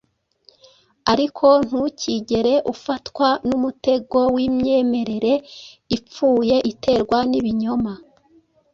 Ariko ntukigere ufatwa n’umutego w’imyemerere ipfuye iterwa n’ibinyoma.